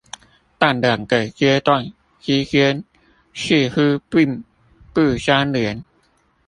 但兩個階段之間似乎並不相連